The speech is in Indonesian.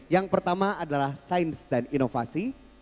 yang pertama adalah sains dan inovasi